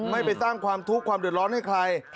ไม่ไปสร้างความทุกข์ความเดือดร้อนให้ใคร